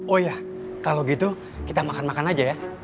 oh ya kalau gitu kita makan makan aja ya